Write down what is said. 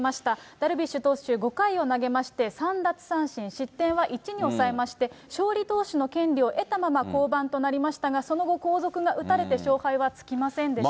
ダルビッシュ投手、５回を投げまして３奪三振、失点は１に抑えまして、勝利投手の権利を得たまま降板となりましたが、その後、後続が打たれて勝敗はつきませんでした。